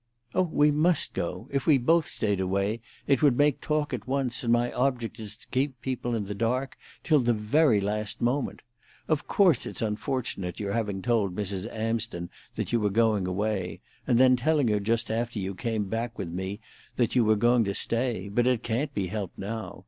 "Oh, we must go. If we both stayed away it would make talk at once, and my object is to keep people in the dark till the very last moment. Of course it's unfortunate your having told Mrs. Amsden that you were going away, and then telling her just after you came back with me that you were going to stay. But it can't be helped now.